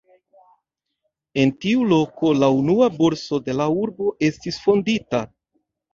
En tiu loko la unua borso de la urbo estis fondita.